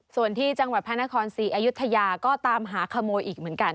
ส่วนที่จังหวัดพระนครศรีอยุธยาก็ตามหาขโมยอีกเหมือนกัน